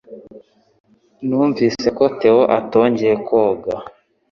Numvise ko Theo atongeye koga